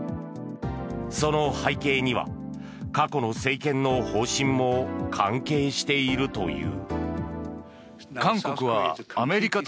その背景には過去の政権の方針も関係しているという。